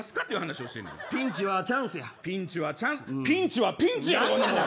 ピンチはピンチやで。